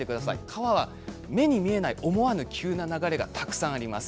川は目に見えない思わぬ急な流れがたくさんあります。